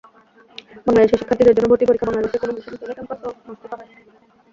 বাংলাদেশের শিক্ষার্থীদের জন্য ভর্তি পরীক্ষা বাংলাদেশেই কোনো বিশ্ববিদ্যালয় ক্যাম্পাসে অনুষ্ঠিত হয়।